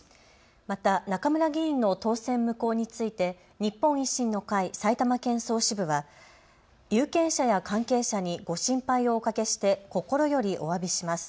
また中村議員の当選無効について日本維新の会埼玉県総支部は有権者や関係者にご心配をおかけして心よりおわびします。